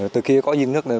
từ khi có những nước